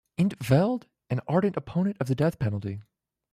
In 't Veld is an ardent opponent of the death penalty.